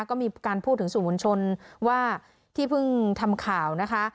ก็มีการพูดถึงสู่มวลชนว่าที่เพิ่งทำข่าวนะคะ